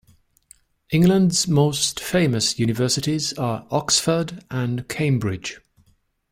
England’s most famous universities are Oxford and Cambridge